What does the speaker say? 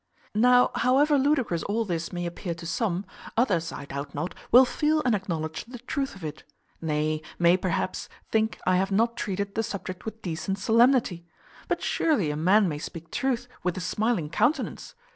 Now, however ludicrous all this may appear to some, others, I doubt not, will feel and acknowledge the truth of it; nay, may, perhaps, think I have not treated the subject with decent solemnity; but surely a man may speak truth with a smiling countenance.